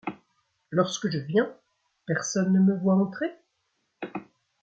Lorsque je vien, Personne ne me voit entrer ?